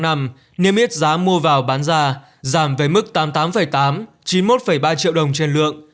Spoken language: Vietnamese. năm niêm yết giá mua vào bán ra giảm về mức tám mươi tám tám chín mươi một ba triệu đồng trên lượng